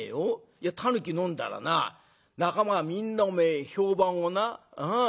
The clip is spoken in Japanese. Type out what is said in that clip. いやタヌキ飲んだらな仲間がみんなおめえ評判をなあ